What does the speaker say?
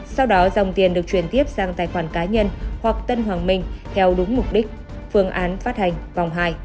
sau đó dòng tiền được chuyển tiếp sang tài khoản cá nhân hoặc tân hoàng minh theo đúng mục đích phương án phát hành vòng hai